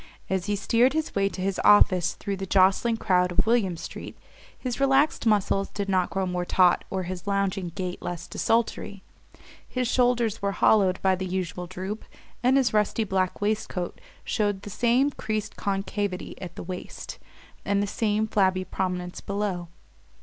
As he steered his way to his office through the jostling crowd of William Street his relaxed muscles did not grow more taut or his lounging gait less desultory. His shoulders were hollowed by the usual droop, and his rusty black waistcoat showed the same creased concavity at the waist, the same flabby prominence below.